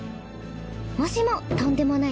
もしもとんでもない。